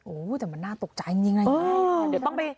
โอ้แต่มันน่าตกใจนิดนึง